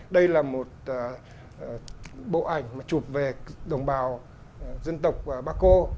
đây là một bộ ảnh mà chụp về đồng bào dân tộc baco